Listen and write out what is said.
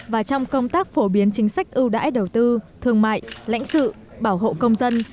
và trong công tác phổ biến chính sách ưu đãi đầu tư thương mại lãnh sự bảo hộ công dân